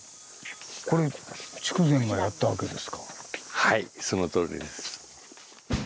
これはいそのとおりです。